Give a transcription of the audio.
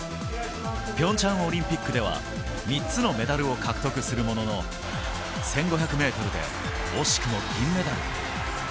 ピョンチャンオリンピックでは３つのメダルを獲得するものの、１５００ｍで惜しくも銀メダル。